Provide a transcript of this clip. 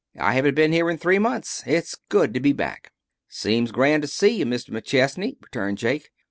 I haven't been here in three months. It's good to be back." "Seems grand t' see you, Mis' McChesney," returned Jake.